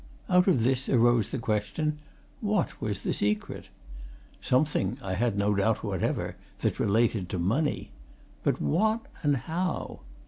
Out of this arose the question what was the secret? Something, I had no doubt whatever, that related to money. But what, and how?